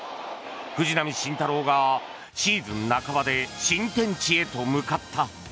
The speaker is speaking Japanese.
藤浪晋太郎がシーズン半ばで新天地へと向かった。